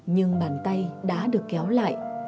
nhưng bàn tay đã được kéo lại